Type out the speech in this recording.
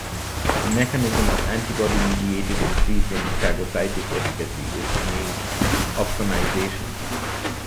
This mechanism of antibody-mediated increase in phagocytic efficacy is named opsonization.